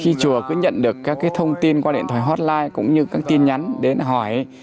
khi chùa cứ nhận được các thông tin qua điện thoại hotline cũng như các tin nhắn đến hỏi